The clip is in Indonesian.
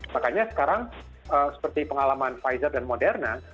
makanya sekarang seperti pengalaman pfizer dan moderna